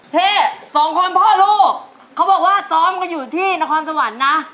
พี่สองคนพ่อลูกเขาบอกว่าซ้อมกันอยู่ที่นครสวรรค์นะ